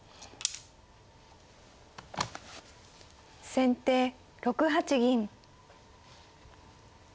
先手６八銀。